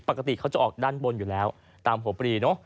ปกติเขาจะออกด้านบนอยู่แล้วตามหัวปรีเนอะ